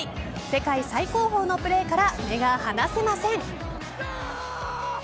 世界最高峰のプレーから目が離せません。